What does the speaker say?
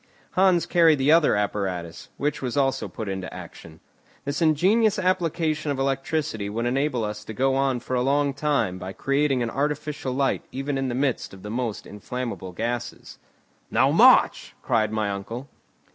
Hans carried the other apparatus, which was also put into action. This ingenious application of electricity would enable us to go on for a long time by creating an artificial light even in the midst of the most inflammable gases. "Now, march!" cried my uncle.